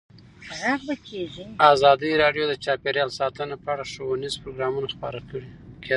ازادي راډیو د چاپیریال ساتنه په اړه ښوونیز پروګرامونه خپاره کړي.